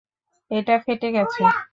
এটা ফেটে গেছে।